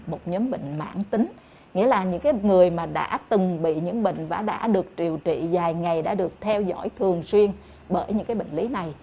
một nhóm bệnh mãn tính nghĩa là những người đã từng bị những bệnh và đã được triều trị vài ngày đã được theo dõi thường xuyên bởi những bệnh lý này